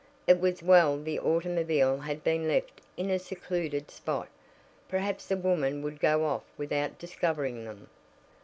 It was well the automobile had been left in a secluded spot. Perhaps the woman would go off without discovering them.